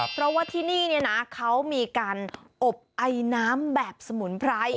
เพราะว่าที่นี่เนี่ยนะเขามีการอบไอน้ำแบบสมุนไพร